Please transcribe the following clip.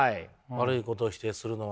悪いことを否定するのは。